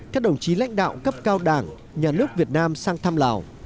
các đồng chí lãnh đạo cấp cao đảng nhà nước việt nam sang thăm lào